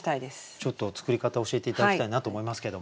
ちょっと作り方教えて頂きたいなと思いますけども。